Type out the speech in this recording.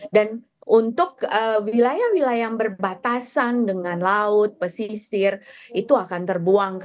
dan untuk wilayah wilayah yang berbatasan dengan laut pesisir itu akan terbuang